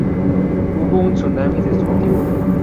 Hubo un tsunami destructivo.